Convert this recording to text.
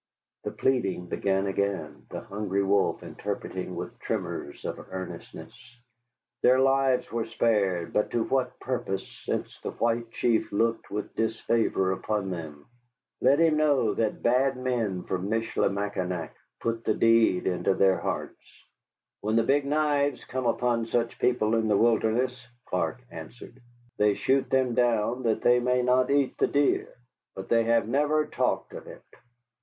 The pleading began again, the Hungry Wolf interpreting with tremors of earnestness. Their lives were spared, but to what purpose, since the White Chief looked with disfavor upon them? Let him know that bad men from Michilimackinac put the deed into their hearts. "When the Big Knives come upon such people in the wilderness," Clark answered, "they shoot them down that they may not eat the deer. But they have never talked of it."